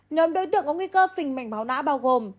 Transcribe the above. nhóm đối tượng có nguy cơ phình mạch máu não bao gồm